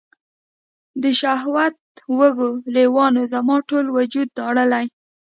د شهوت وږو لیوانو، زما ټول وجود داړلي